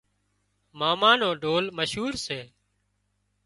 ماما نو ڍول مشهور سي